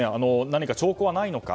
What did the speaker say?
何か兆候はないのか。